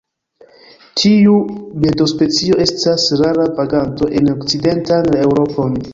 Tiu birdospecio estas rara vaganto en okcidentan Eŭropon.